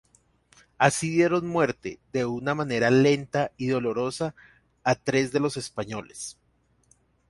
Así dieron muerte de una manera lenta y dolorosa a tres de los españoles.